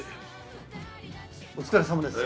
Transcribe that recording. お疲れさまです。